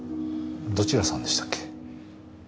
どちらさんでしたっけ？